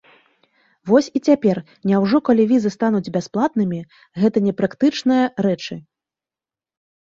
Вось і цяпер, няўжо, калі візы стануць бясплатнымі, гэта не практычныя рэчы?